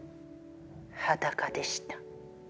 裸でした。